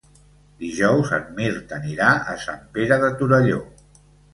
Dijous en Mirt anirà a Sant Pere de Torelló.